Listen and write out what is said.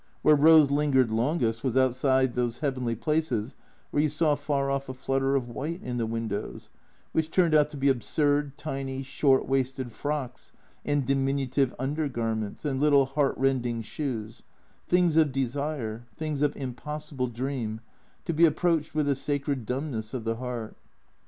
Where Rose lingered longest was outside those heavenly places where you saw far off a flutter of white in the windows, which turned out to be absurd, tiny, short waisted frocks and diminutive under garments, and little heart rending shoes; things of desire, things of impossible dream, to be approached with a sacred dumbness of the heart.